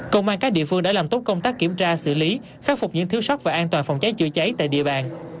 công an các địa phương đã làm tốt công tác kiểm tra xử lý khắc phục những thiếu sót về an toàn phòng cháy chữa cháy tại địa bàn